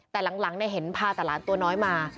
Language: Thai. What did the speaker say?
แต่หลังเห็นพาแต่หลานตัวน้อยมา